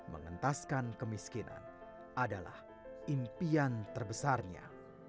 mengentaskan kemiskinan adalah impian terbesarnya